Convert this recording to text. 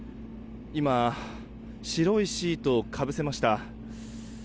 今、白いシートをかぶせました。